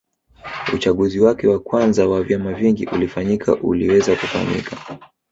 Uchaguzi wake wa kwanza wa vyama vingi ulifanyika uliweza kufanyika